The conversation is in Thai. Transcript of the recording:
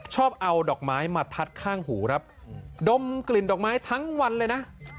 ชอบเอาดอกไม้มาทัดข้างหูครับดมกลิ่นดอกไม้ทั้งวันเลยนะ